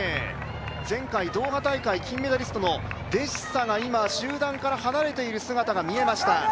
前回ドーハ大会金メダリストのデシサが集団から離れている姿が見えました。